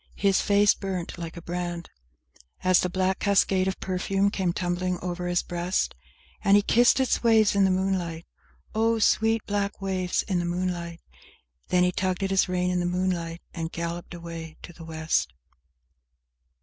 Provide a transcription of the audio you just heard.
His face burnt like a brand As the black cascade of perfume came tumbling over his breast; And he kissed its waves in the moonlight, (Oh, sweet, black waves in the moonlight!) Then he tugged at his rein in the moonliglt, and galloped away to the West.